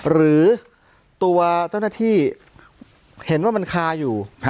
หรือตัวเจ้าหน้าที่เห็นว่ามันคาอยู่